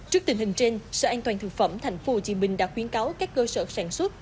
trước tình hình trên sở an toàn thực phẩm tp hcm đã khuyến cáo các cơ sở sản xuất